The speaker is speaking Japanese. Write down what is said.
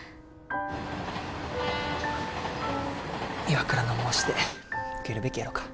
岩倉の申し出受けるべきやろか？